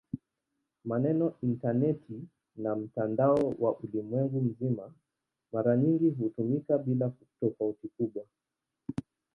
Maneno "intaneti" na "mtandao wa ulimwengu mzima" mara nyingi hutumika bila tofauti kubwa.